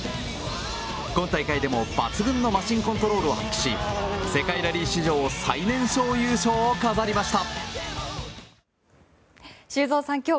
今大会でも抜群のマシンコントロールを発揮し世界ラリー史上最年少優勝を飾りました。